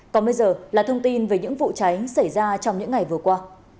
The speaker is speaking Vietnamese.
còn bây giờ là thông tin về những vụ cháy xảy ra trong những ngày vừa qua